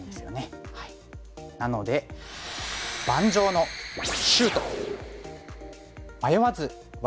なので盤上のシュート！